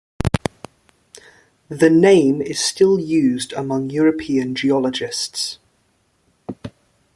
The name is still used among European geologists.